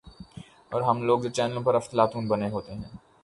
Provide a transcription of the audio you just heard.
اورہم لوگ جو چینلوں پہ افلاطون بنے ہوتے ہیں۔